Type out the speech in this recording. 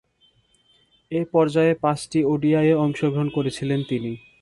এ পর্যায়ে পাঁচটি ওডিআইয়ে অংশগ্রহণ করেছিলেন তিনি।